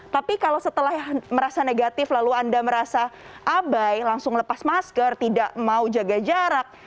tapi kalau setelah merasa negatif lalu anda merasa abai langsung lepas masker tidak mau jaga jarak